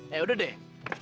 ya udah deh